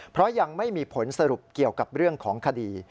เพราะยังไม่มีผลสรุปเกี่ยวกับเรื่องของคดี